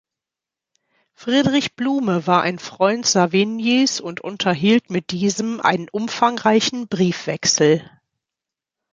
Friedrich Bluhme war ein Freund Savignys und unterhielt mit diesem einen umfangreichen Briefwechsel.